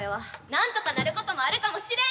なんとかなることもあるかもしれんやん。